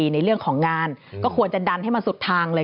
ในเรื่องของงานก็ควรจะดันให้มันสุดทางเลย